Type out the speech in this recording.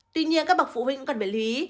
tuy nhiên các bậc phụ huynh cần phải lưu ý